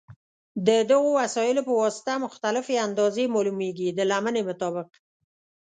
د دغو وسایلو په واسطه مختلفې اندازې معلومېږي د لمنې مطابق.